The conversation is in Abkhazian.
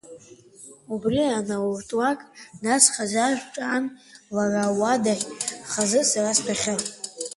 Убри анаауртлак, нас хазы ашә ҿан лара луадахь, хазы сара стәахьы.